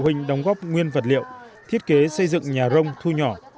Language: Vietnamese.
hình đóng góp nguyên vật liệu thiết kế xây dựng nhà rông thu nhỏ